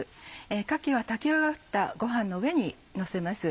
かきは炊き上がったごはんの上にのせます。